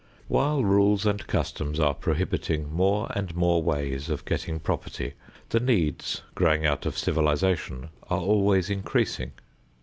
While rules and customs are prohibiting more and more ways of getting property, the needs growing out of civilization are always increasing.